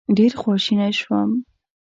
ډېر خواشینی شوم.